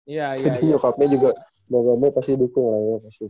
jadi nyokapnya juga mbak mbak gue pasti dukung lah